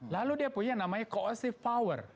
lalu dia punya namanya coachsive power